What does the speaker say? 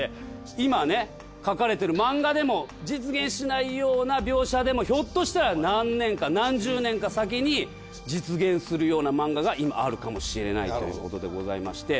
今ね描かれてる漫画でも実現しないような描写でもひょっとしたら何年か何十年か先に実現するような漫画が今あるかもしれないということでございまして。